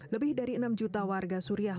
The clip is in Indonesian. lebih dari enam juta warga suriah